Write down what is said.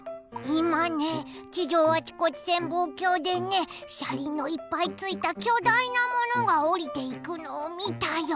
いまね地上あちこち潜望鏡でねしゃりんのいっぱいついたきょだいなものがおりていくのをみたよ。